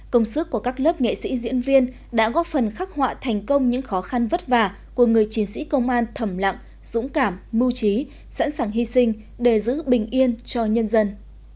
công sức của các lớp nghệ sĩ diễn viên đã góp phần khắc họa thành công những khó khăn vất vả của người chiến sĩ công an thẩm lặng dũng cảm mưu trí sẵn sàng hy sinh để giữ bình yên cho nhân dân